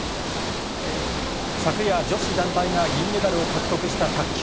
昨夜、女子団体が銀メダルを獲得した卓球。